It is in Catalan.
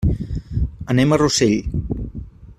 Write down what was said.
Anem a Rossell.